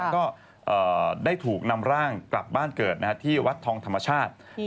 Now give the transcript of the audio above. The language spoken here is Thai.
ก็ได้ถูกนำร่างกลับบ้านเกิดที่วัดทองธรรมชาติ